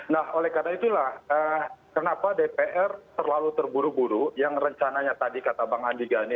nah oleh karena itulah kenapa dpr terlalu terburu buru yang rencananya tadi kata bang andi gani